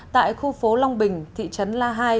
tại khu phố long bình thị trấn la hai